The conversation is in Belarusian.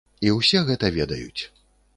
І ўсе гэта ведаюць.